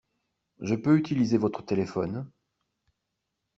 Je peux utiliser votre téléphone ?